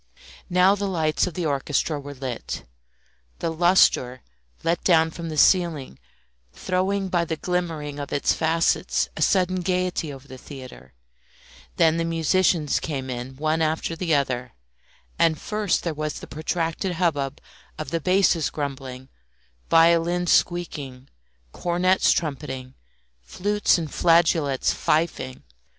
Now the lights of the orchestra were lit, the lustre, let down from the ceiling, throwing by the glimmering of its facets a sudden gaiety over the theatre; then the musicians came in one after the other; and first there was the protracted hubbub of the basses grumbling, violins squeaking, cornets trumpeting, flutes and flageolets fifing.